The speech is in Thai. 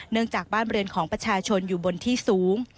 จากบ้านเรือนของประชาชนอยู่บนที่สูง